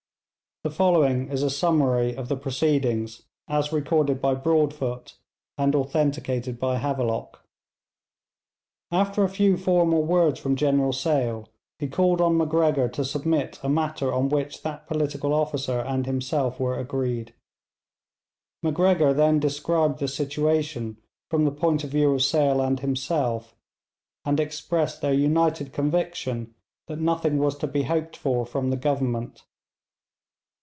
The following is a summary of the proceedings, as recorded by Broadfoot and authenticated by Havelock. After a few formal words from General Sale, he called on Macgregor to submit a matter on which that political officer and himself were agreed. Macgregor then described the situation from the point of view of Sale and himself, and expressed their united conviction that nothing was to be hoped for from the Government.